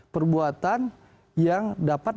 perbuatan yang dapat